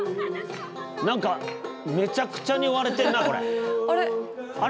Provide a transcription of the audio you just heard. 何かめちゃくちゃに割れてんなこれ。